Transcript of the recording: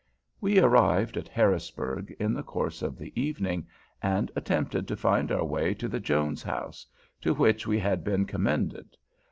We arrived at Harrisburg in the course of the evening, and attempted to find our way to the Jones House, to which we had been commended.